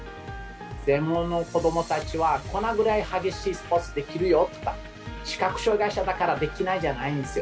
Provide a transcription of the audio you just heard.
全盲の子どもたちはこのぐらい激しいスポーツできるよとか視覚障がい者だからできないじゃないんですよ。